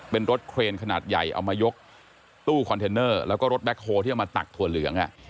เป็นรถเครนขนาดใหญ่เอามายกตู้คอนเทนเนอร์แล้วก็รถแคคโฮที่เอามาตักถั่วเหลือง